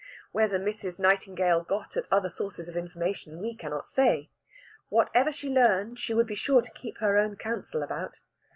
Whether Mrs. Nightingale got at other sources of information we cannot say. Whatever she learned she would be sure to keep her own counsel about.